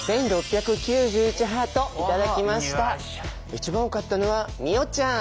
一番多かったのは美音ちゃん。